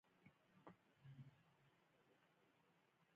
د میدان وردګو په جغتو کې د څه شي نښې دي؟